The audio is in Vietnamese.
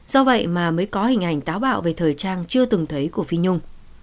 do vậy mà mới có hình ảnh táo bạo về thời trang chưa từng thấy của phi nhung